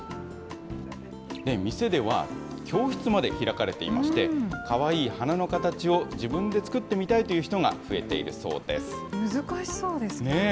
店では教室まで開かれていまして、かわいい花の形を自分で作ってみたいという人が増えているそうで難しそうですよね。